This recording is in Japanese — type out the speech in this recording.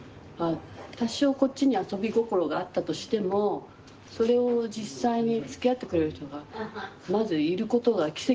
多少こっちに遊び心があったとしてもそれを実際につきあってくれる人がまずいることが奇跡ですからね。